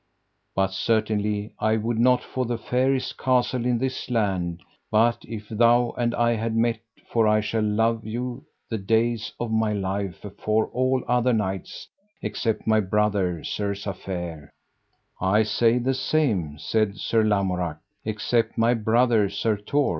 But certainly I would not for the fairest castle in this land, but if thou and I had met, for I shall love you the days of my life afore all other knights except my brother, Sir Safere. I say the same, said Sir Lamorak, except my brother, Sir Tor.